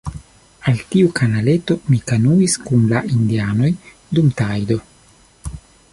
Al tiu kanaleto mi kanuis kun la indianoj dum tajdo.